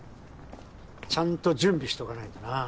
ちゃんと準備しとかないとな。